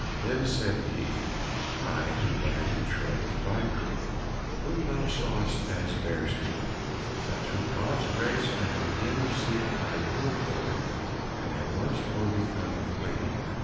Then said he, "I am thy betrothed bridegroom, whom thou sawest as Bearskin, but through God's grace I have again received my human form, and have once more become clean."